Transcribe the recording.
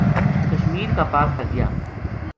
کشمیر کا پاس تا گیا